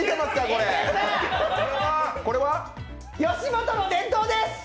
これは吉本の伝統です！